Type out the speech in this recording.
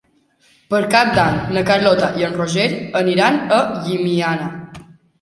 Per Cap d'Any na Carlota i en Roger aniran a Llimiana.